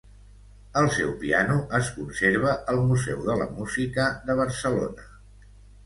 El seu piano es conserva al Museu de la Música de Barcelona.